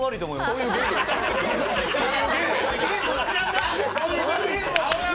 そういうゲームや。